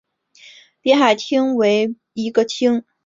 别海町为日本北海道根室振兴局野付郡的町。